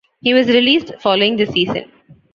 He was released following the season.